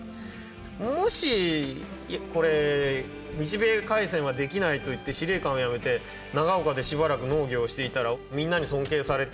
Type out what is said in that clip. もしこれ「日米開戦はできない」と言って司令官を辞めて長岡でしばらく農業をしていたらみんなに尊敬されて。